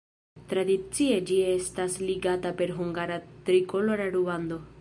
Tradicie ĝi estas ligata per hungara trikolora rubando.